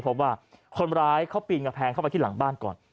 พบว่าคนร้ายเขาปีนกำแพงเข้าไปที่หลังบ้านก่อน